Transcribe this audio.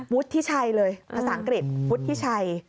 วุฒิชัยเลยภาษาอังกฤษวุฒิชัย